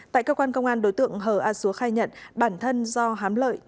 tại cơ quan công an đối tượng hờ a xúa khai nhận bản thân do hám lợi